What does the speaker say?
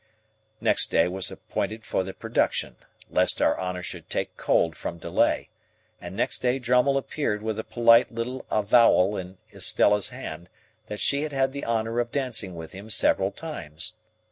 Next day was appointed for the production (lest our honour should take cold from delay), and next day Drummle appeared with a polite little avowal in Estella's hand, that she had had the honour of dancing with him several times.